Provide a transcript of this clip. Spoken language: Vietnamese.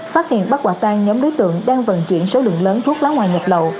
phát hiện bắt quả tan nhóm đối tượng đang vận chuyển số lượng lớn thuốc lá ngoài nhập lậu